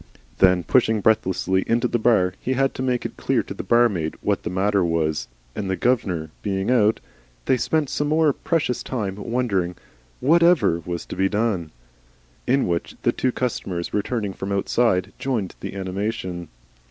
Then pushing breathlessly into the bar, he had to make it clear to the barmaid what the matter was, and the 'gov'nor' being out, they spent some more precious time wondering 'what EVER' was to be done! in which the two customers returning from outside joined with animation.